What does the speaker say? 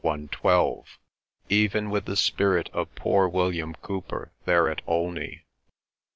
112, even with the spirit of poor William Cowper there at Olney.